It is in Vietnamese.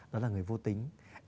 đó là người vô tính